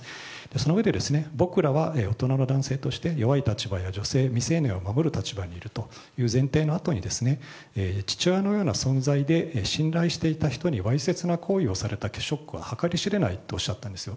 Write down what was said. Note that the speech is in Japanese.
そのうえで僕らは大人の男性として弱い立場や女性未成年を守る立場にいるという前提のあとに父親のような存在で信頼していた人にわいせつな行為をされたショックは計り知れないとおっしゃったんですよ。